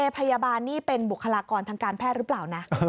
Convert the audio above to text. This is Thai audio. พยาบาลนี่เป็นบุคลากรทางการแพทย์หรือเปล่านะ